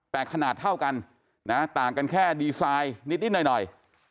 แต่ขนาดเท่ากันนะต่างกันแค่ดีไซน์นิดหน่อย